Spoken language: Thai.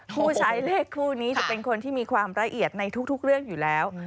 ผู้ใช้เลขคู่นี้จะเป็นคนที่มีความละเอียดในทุกเรื่องอยู่แล้ว